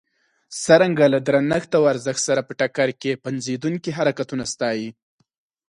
څرنګه له درنښت او ارزښت سره په ټکر کې را پنځېدونکي حرکتونه ستایي.